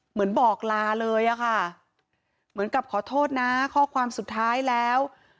บอกลาเลยอะค่ะเหมือนกับขอโทษนะข้อความสุดท้ายแล้ว